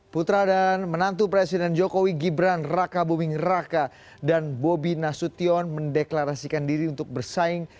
putra dan menantu presiden jokowi gibran raka buming raka dan bobi nasution mendeklarasikan diri untuk bersaing